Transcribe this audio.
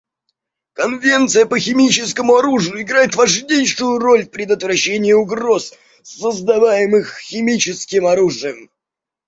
Конвенция по химическому оружию играет важнейшую роль в предотвращении угроз, создаваемых химическим оружием.